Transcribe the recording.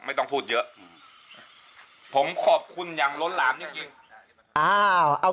ไม่ต้องพูดเยอะผมขอบคุณอย่างล้นลามนี่จริงครับอ้าวเอา